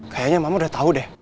kayanya mama udah tau deh